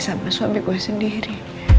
sama suami gue sendiri